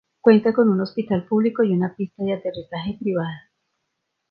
Cuenta con un hospital público y una pista de aterrizaje privada.